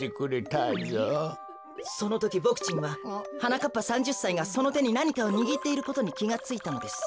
そのときボクちんははなかっぱ３０さいがそのてになにかをにぎっていることにきがついたのです。